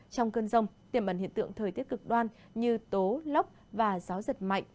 trong cơn rông tiềm ẩn hiện tượng thời tiết cực đoan như tố lốc và gió giật mạnh